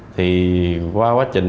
thì qua quá trình